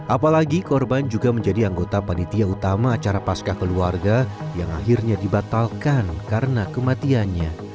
apalagi korban juga menjadi anggota panitia utama acara pasca keluarga yang akhirnya dibatalkan karena kematiannya